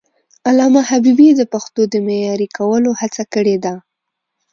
علامه حبيبي د پښتو د معیاري کولو هڅه کړې ده.